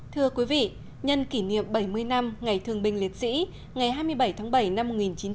thưa quý vị nhân kỷ niệm bảy mươi năm ngày thường bình liệt sĩ ngày hai mươi bảy tháng bảy năm một nghìn chín trăm bốn mươi bảy